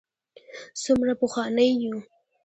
څومره پخواني یو.